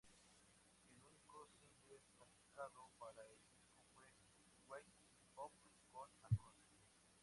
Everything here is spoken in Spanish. El único single sacado para el disco fue "Wake It Up" con Akon.